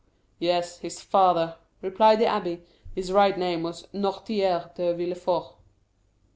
"Yes, his father," replied the abbé; "his right name was Noirtier de Villefort."